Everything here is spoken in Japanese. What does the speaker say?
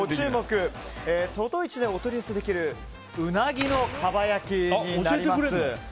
魚魚一でお取り寄せできるうなぎの蒲焼になります。